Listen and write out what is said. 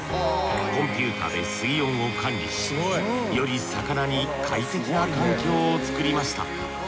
コンピューターで水温を管理しより魚に快適な環境を作りました。